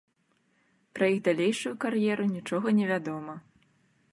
Пра іх далейшую кар'еру нічога не вядома.